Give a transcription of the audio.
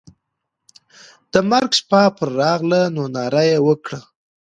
د مرګ شپه پر راغله نو ناره یې وکړه.